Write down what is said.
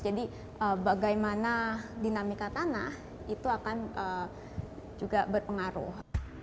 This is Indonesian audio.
jadi bagaimana dinamika tanah itu akan juga berpengaruh